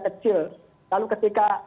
kecil lalu ketika